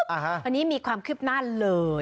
อันนี้มีความคืบหน้าเลย